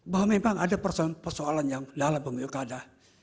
bahwa memang ada persoalan persoalan yang dalam pemilu kada